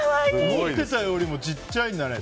思ってたよりもちっちゃいんだね。